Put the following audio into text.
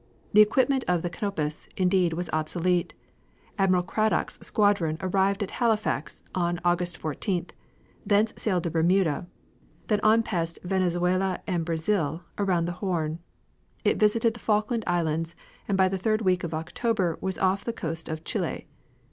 The equipment of the Canopus, indeed, was obsolete. Admiral Cradock's squadron arrived at Halifax on August 14th, thence sailed to Bermuda, then on past Venezuela and Brazil around the Horn. It visited the Falkland Islands, and by the third week of October was on the coast of Chile.